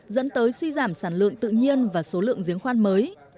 dẫn tới suy giảm sản lượng tự nhiên và số lượng giếng khoan mới